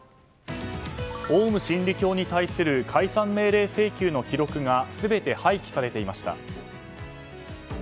オウム真理教に対する解散命令請求の記録が全て廃棄されていました。